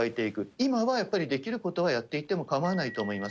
今はやっぱりできることはやって言っても構わないと思います。